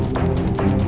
gak mau kali